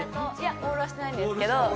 オールはしてないんですけど。